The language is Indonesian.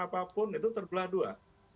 apapun itu terbelah dua